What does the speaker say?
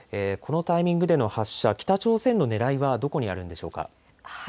このタイミングでの発射、北朝鮮のねらいはどこにあるんでしょうか。